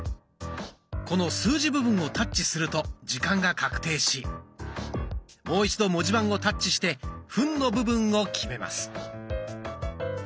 この数字部分をタッチすると時間が確定しもう一度文字盤をタッチして分の部分を決めます。